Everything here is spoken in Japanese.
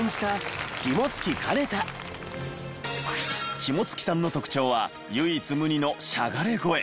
肝付さんの特徴は唯一無二のしゃがれ声。